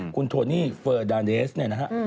คุณโทนี่เฟอร์ดาเดสเนี่ยนะฮะ